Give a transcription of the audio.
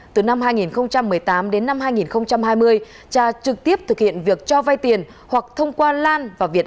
từ năm hai nghìn một mươi tám đến năm hai nghìn hai mươi cha trực tiếp thực hiện việc cho vay tiền hoặc thông qua lan và việt